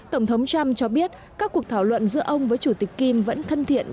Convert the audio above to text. tổng thống trump cho biết các cuộc thảo luận giữa ông với chủ tịch kim vẫn thân thiện